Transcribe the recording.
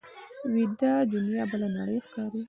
ویده دنیا بله نړۍ ښکاري